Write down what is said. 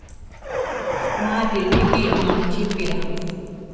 Má rilíki amachípira.